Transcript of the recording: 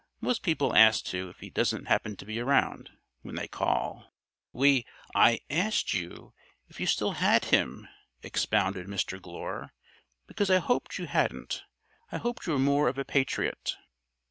Most people ask to if he doesn't happen to be round when they call. We " "I asked you if you still had him," expounded Mr. Glure, "because I hoped you hadn't. I hoped you were more of a patriot."